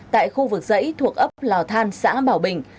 tại khu vực dãy thuộc ấp lào thàn xã bảo bình